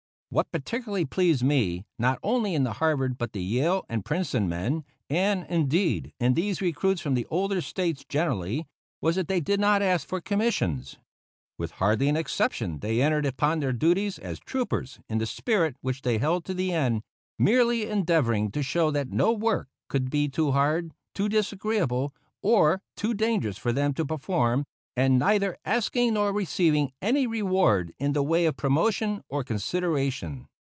What particularly pleased me, not only in the Harvard but the Yale and Princeton men, and, indeed, in these recruits from the older States generally, was that they did not ask for commissions. With hardly an exception they entered upon their duties as troopers in the spirit which they held to the end, merely endeavoring to show that no work could be too hard, too disagreeable, or too dangerous for them to perform, and neither asking nor receiving any reward in the way of promotion or consideration.